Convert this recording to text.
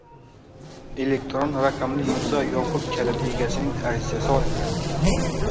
elektron raqamli imzo yopiq kaliti egasining arizasi olingan